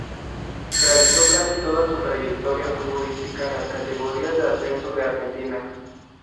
Realizó casi toda su trayectoria futbolística en las categorías de ascenso de Argentina.